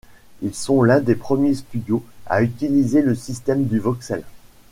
Ils sont l'un des premiers studio à utiliser le système du Voxel.